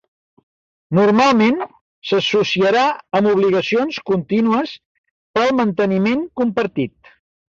Normalment s'associarà amb obligacions continues pel manteniment compartit.